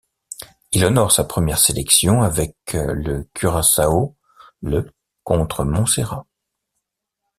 Il honore sa première sélection avec le Curaçao le contre Montserrat.